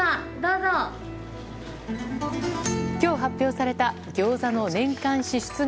今日、発表されたギョーザの年間支出額。